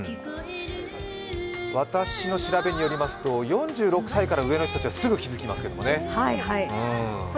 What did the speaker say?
私の調べによりますと、４６歳から上の世代はすぐ気付きますけどね。